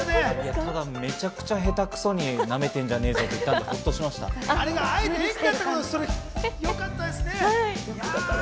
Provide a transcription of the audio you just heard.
ただめちゃめちゃ下手くそになめてんじゃねえよって言ったのでほっとしました。